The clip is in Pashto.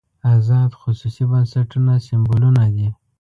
ازاد خصوصي بنسټونه سېمبولونه دي.